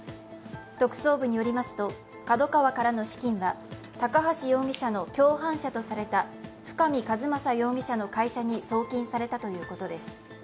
特捜部によりますとＫＡＤＯＫＡＷＡからの資金は、高橋容疑者の共犯者とされた深見和政容疑者の会社に送金されたということです。